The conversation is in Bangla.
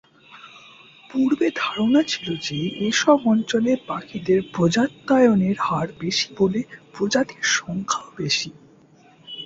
পূর্বে ধারণা ছিল যে এসব অঞ্চলে পাখিদের প্রজাত্যায়নের হার বেশি বলে প্রজাতির সংখ্যাও বেশি।